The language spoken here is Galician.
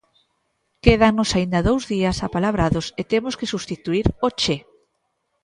Quédannos aínda dous días apalabrados e temos que sustituír ó Che...